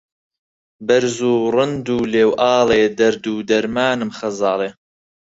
بەرز و ڕند و ڵێوئاڵێ دەرد و دەرمانم خەزاڵێ